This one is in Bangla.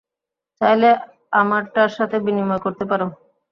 চাইলে আমারটার সাথে বিনিময় করতে পারো।